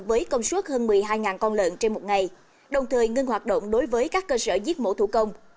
với công suất hơn một mươi hai con lợn trên một ngày đồng thời ngưng hoạt động đối với các cơ sở giết mổ thủ công